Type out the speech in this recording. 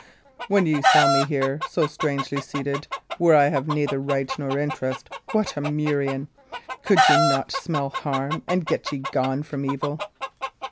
When ye saw me here, so strangely seated where I have neither right nor interest, what a murrain! could ye not smell harm and get ye gone from evil?"